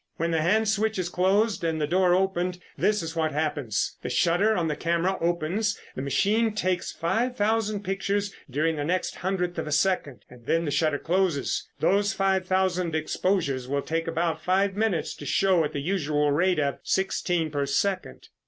When the hand switch is closed and the door opened, this is what happens. The shutter on the camera opens, the machine takes five thousand pictures during the next hundredth of a second, and then the shutter closes. Those five thousand exposures will take about five minutes to show at the usual rate of sixteen per second."